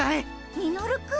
ミノルくん？